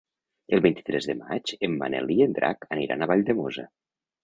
El vint-i-tres de maig en Manel i en Drac aniran a Valldemossa.